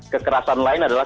kekerasan lain adalah